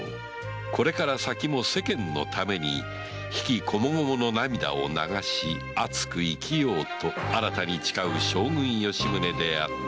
これから先も世間のために悲喜こもごもの涙を流し熱く生きようと新たに誓う将軍・吉宗であった